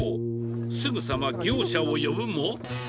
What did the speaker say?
すぐさま業者を呼ぶも。